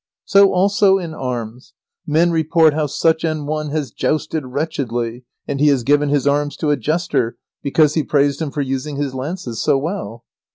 So also in arms, men report how such an one has jousted wretchedly, and he has given his arms to a jester because he praised him for using his lances so well.